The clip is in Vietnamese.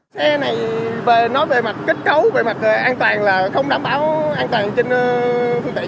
xe này về nói về mặt kết cấu về mặt an toàn là không đảm bảo an toàn trên phương tiện